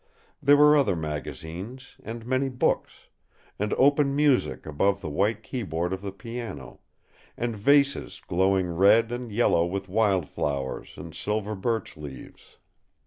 There were other magazines, and many books, and open music above the white keyboard of the piano, and vases glowing red and yellow with wild flowers and silver birch leaves.